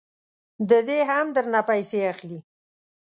ددې هم درنه پیسې اخلي.